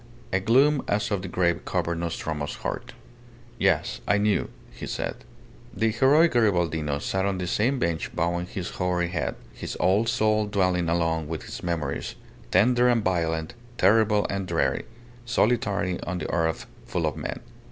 A gloom as of the grave covered Nostromo's heart. "Yes. I knew," he said. The heroic Garibaldino sat on the same bench bowing his hoary head, his old soul dwelling alone with its memories, tender and violent, terrible and dreary solitary on the earth full of men.